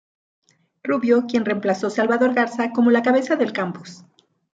Rubio, quien reemplazó Salvador Garza como la cabeza del campus.